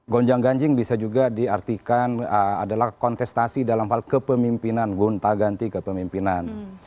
gonjang ganjing bisa juga diartikan adalah kontestasi dalam hal kepemimpinan gunta ganti kepemimpinan